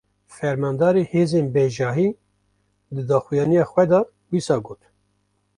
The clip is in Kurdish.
Fermandarê hêzên bejahî, di daxuyaniya xwe de wisa got: